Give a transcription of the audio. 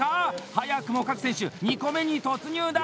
早くも各選手２個目に突入だ！